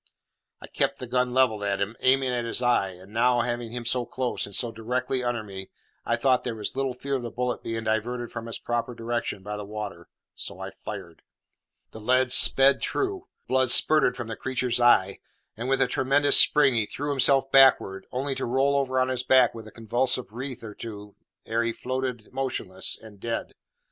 I kept the gun levelled at him, aiming at his eye; and now, having him so close, and so directly under me, I thought there was little fear of the bullet being diverted from its proper direction by the water, so I fired. The lead sped true; the blood spirted from the creature's eye, and with a tremendous spring he threw himself backward, only to roll over on his back with a convulsive writhe or two ere he floated motionless and dead.